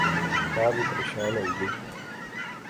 ما وی پریشان ہوئی گئی